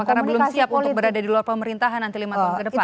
karena belum siap untuk berada di luar pemerintahan nanti lima tahun ke depan